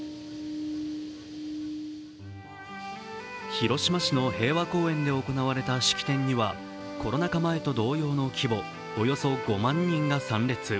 広島市の平和公園で行われた式典ではコロナ禍前と同様の規模、およそ５万人が参列。